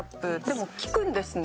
でも聞くんですね？